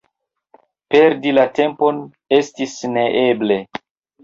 Perdi la tempon estis neeble.